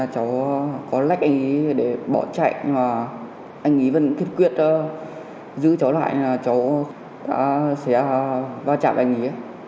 cháu có lách anh ý để bỏ chạy nhưng mà anh ý vẫn thiết quyết giữ cháu lại cháu sẽ va chạm anh ý